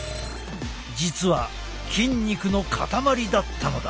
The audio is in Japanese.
実は筋肉の塊だったのだ。